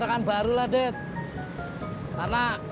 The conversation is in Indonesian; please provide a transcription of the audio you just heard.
abang marah ya